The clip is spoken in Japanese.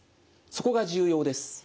そこが重要です。